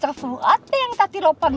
terima kasih sayang